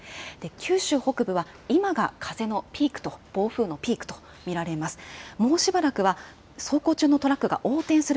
九州北部は今が風のピークと、暴風のピークと見られます。